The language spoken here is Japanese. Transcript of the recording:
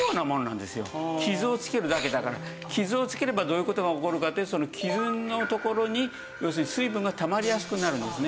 傷をつければどういう事が起こるかって傷のところに要するに水分がたまりやすくなるんですね。